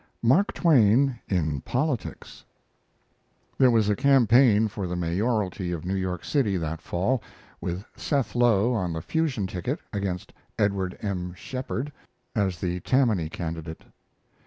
MARK TWAIN IN POLITICS There was a campaign for the mayoralty of New York City that fall, with Seth Low on the Fusion ticket against Edward M. Shepard as the Tammany candidate.